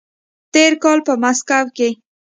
تېر کال په مسکو کې